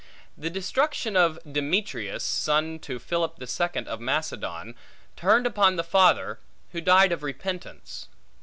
The destruction of Demetrius, son to Philip the Second of Macedon, turned upon the father, who died of repentance.